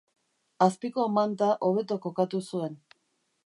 Azpiko manta hobeto kokatu zuen.